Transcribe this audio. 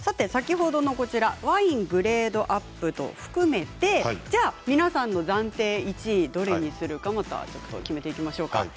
先ほどのワイングレードアップも含めて皆さんの暫定１位どれにするか決めていきましょうか。